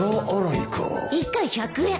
１回１００円